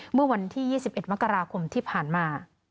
เมื่อวันที่๒๑มกราคมที่ผ่านมา